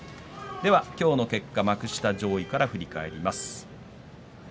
今日の結果、幕下上位から振り返ります。